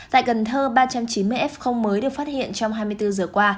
tại cần thơ ba trăm chín mươi f mới được phát hiện trong hai mươi bốn giờ qua